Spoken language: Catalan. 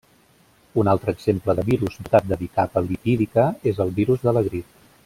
Un altre exemple de virus dotat de bicapa lipídica és el virus de la grip.